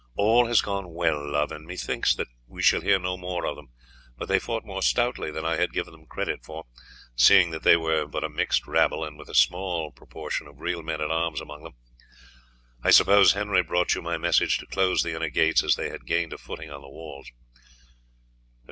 All has gone well, love, and methinks that we shall hear no more of them; but they fought more stoutly than I had given them credit for, seeing that they were but a mixed rabble, with a small proportion of real men at arms among them. I suppose Henry brought you my message to close the inner gates, as they had gained a footing on the walls."